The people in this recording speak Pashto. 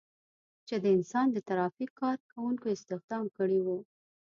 چې د انسان د ترافیک کار کوونکو استخدام کړي وو.